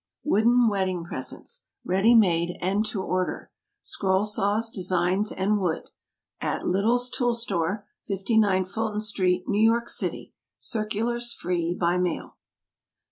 WOODEN WEDDING PRESENTS Ready made and to order. SCROLL SAWS, DESIGNS, AND WOOD, At LITTLE'S TOOL STORE, 59 Fulton St., N. Y. City. Circulars free by mail.